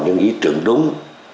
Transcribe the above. những ý tưởng đúng